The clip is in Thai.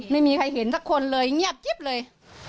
ไม่มีใครเห็นสักคนเลยเงียบจิ๊บเลย